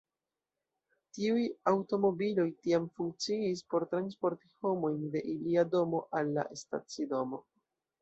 Tiuj aŭtomobiloj tiam funkciis por transporti homojn de ilia domo al la stacidomo.